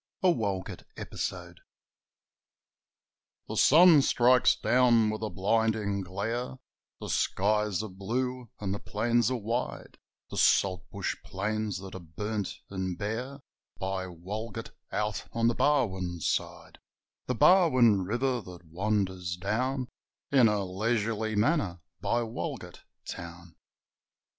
A Walgett Episode The sun strikes down with a blinding glare, The skies are blue and the plains are wide, The saltbush plains that are burnt and bare By Walgett out on the Barwon side The Barwon river that wanders down In a leisurely manner by Walgett Town.